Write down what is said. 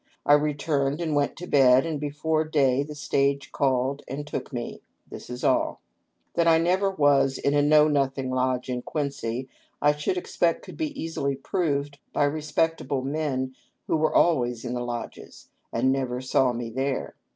I returned and went to bed, and before day the stage called and took me. This is all. " That I never was in a Know Nothing lodge in Quincy I should expect could be easily proved by respectable men who were always in the lodges, and never saw me there.